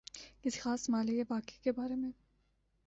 کسی خاص مألے یا واقعے کے بارے میں